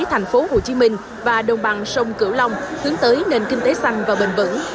thành phố hồ chí minh và đồng bằng sông cửu long hướng tới nền kinh tế xanh và bền vững